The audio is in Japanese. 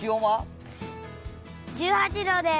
１８度です！